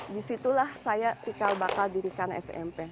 disitulah saya cikal bakal dirikan smp